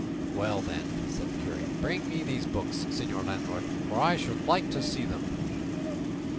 "Well then," said the curate, "bring me these books, señor landlord, for I should like to see them."